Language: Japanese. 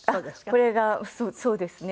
これがそうですね。